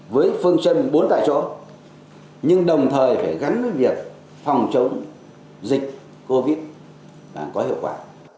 với phương châm bốn tại chỗ nhưng đồng thời phải gắn với việc phòng chống dịch covid có hiệu quả